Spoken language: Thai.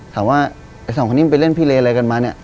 ไอ้สองคนนี้มันไปเล่นพิเลอะไรกันมาเนี่ย